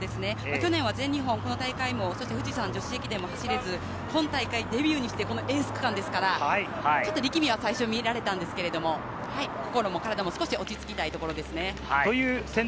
去年は全日本、この大会も富士山女子駅伝も走れず、今大会デビューにしてエース区間ですから、ちょっと力みは最初見られたんですが、心も体も少し落ち着きたいところですね。